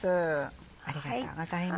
ありがとうございます。